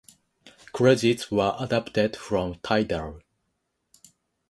Credits were adapted from Tidal.